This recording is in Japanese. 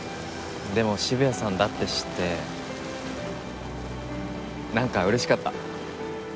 でも渋谷さんだって知ってなんか嬉しかった。